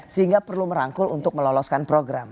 sehingga perlu merangkul untuk meloloskan program